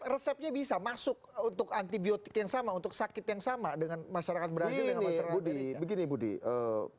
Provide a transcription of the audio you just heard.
resepnya bisa masuk untuk antibiotik yang sama untuk sakit yang sama dengan masyarakat brazil